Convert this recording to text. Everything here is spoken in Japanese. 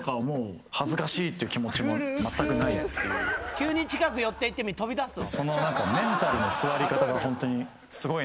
急に近くに寄って行ってみ飛び出すぞ。